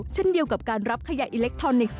เช่นเดียวกับการรับขยะอิเล็กทรอนิกส์